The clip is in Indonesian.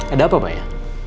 ada apa pak ya